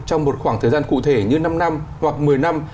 trong một khoảng thời gian cụ thể như năm năm hoặc một mươi năm